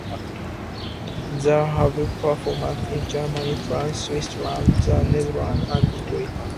They have performed in Germany, France, Switzerland, the Netherlands and Italy.